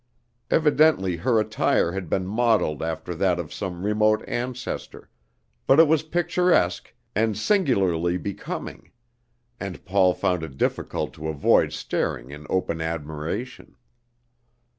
Evidently her attire had been modeled after that of some remote ancestor, but it was picturesque and singularly becoming, and Paul found it difficult to avoid staring in open admiration.